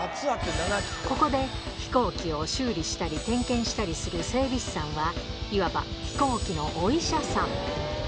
ここで飛行機を修理したり、点検したりする整備士さんは、いわば飛行機のお医者さん。